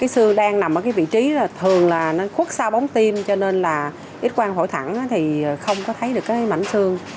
xương đang nằm ở vị trí khuất xa bóng tim cho nên x quang phổi thẳng không thấy được mảnh xương